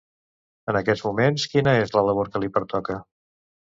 En aquests moments, quina és la labor que li pertoca?